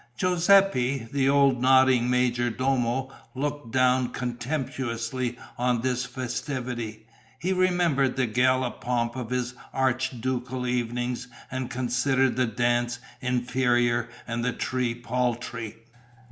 Giuseppe, the old nodding major domo, looked down contemptuously on this festivity: he remembered the gala pomp of his archducal evenings and considered the dance inferior and the tree paltry.